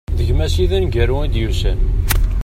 D gma-s i d aneggaru i d-yusan.